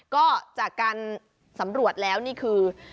ก็จากการสำรวจแล้วนี่คือ